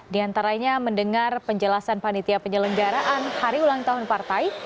di antaranya mendengar penjelasan panitia penyelenggaraan hari ulang tahun partai